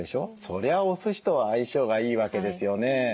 そりゃおすしとは相性がいいわけですよね。